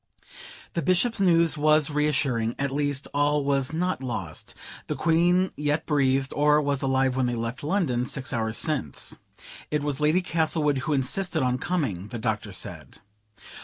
The Bishop's news was reassuring: at least all was not lost; the Queen yet breathed, or was alive when they left London, six hours since. ("It was Lady Castlewood who insisted on coming," the Doctor said.)